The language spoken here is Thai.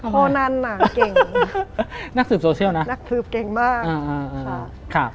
คนนั้นน่ะเก่งนักสืบโซเชียลนะนักสืบเก่งมากค่ะ